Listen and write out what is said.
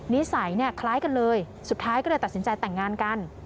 นิสัยเนี่ยคล้ายกันเลยสุดท้ายก็เลยตัดสินใจแต่งงานกัน